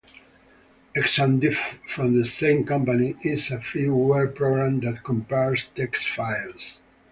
ExamDiff, from the same company, is a freeware program that compares text files.